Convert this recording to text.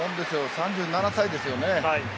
３７歳ですよね。